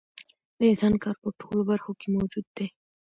د انسان کار په ټولو برخو کې موجود دی